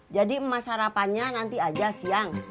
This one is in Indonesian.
jadi mas harapannya nanti aja siang